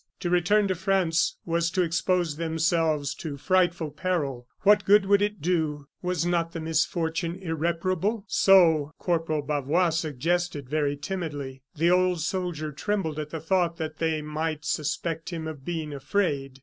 To return to France was to expose themselves to frightful peril. What good would it do? Was not the misfortune irreparable? So Corporal Bavois suggested, very timidly. The old soldier trembled at the thought that they might suspect him of being afraid.